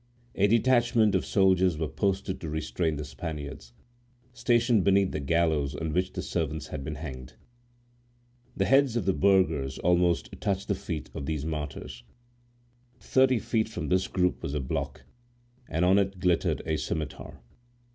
A detachment of soldiers were posted to restrain the Spaniards, stationed beneath the gallows on which the servants had been hanged. The heads of the burghers almost touched the feet of these martyrs. Thirty feet from this group was a block, and on it glittered a scimitar.